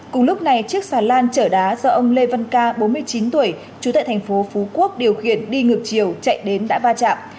cùng lúc này chiếc xà lan chở đá do ông lê văn ca bốn mươi chín tuổi trú tại thành phố phú quốc điều khiển đi ngược chiều chạy đến đã va chạm